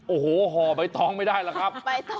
โอ้โหหอใบตองไม่ได้ละครับ